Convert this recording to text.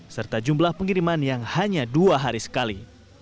serta jumlah pengiriman yang hanya dua hari sekali